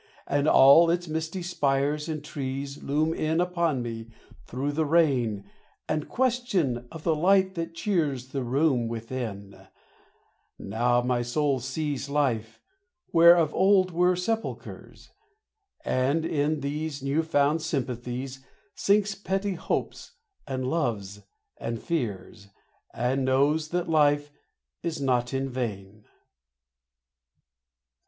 And all its misty spires and trees Loom in upon me through the rain And question of the light that cheers The room within now my soul sees Life, where of old were sepulchres; And in these new found sympathies Sinks petty hopes and loves and fears, And knows that life is not in vain.